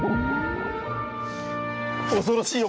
恐ろしいよ